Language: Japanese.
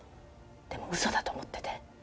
でもうそだと思ってて。